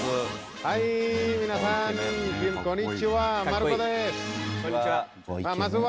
はい皆さんこんにちは。